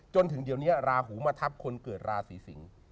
จนถึงเดี๋ยวนี้ราหูมาทับคนเกิดราศีสิงศ์